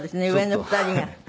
上の２人が。